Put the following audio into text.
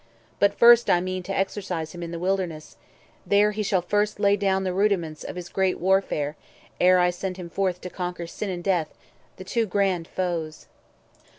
But first I mean To exercise him in the Wilderness; There he shall first lay down the rudiments Of his great warfare, ere I send him forth To conquer Sin and Death, the two grand foes.